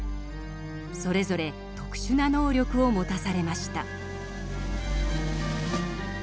それぞれ特殊な能力を持たされました。